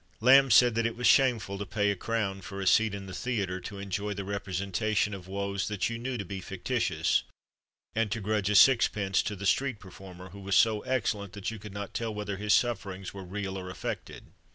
Lamb said that it was shameful to pay a crown for a seat in the theatre to enjoy the representation of woes that you knew to be fictitious, and to grudge a sixpence to the street performer who was so excellent that you could not tell whether his sufferings were real or affected.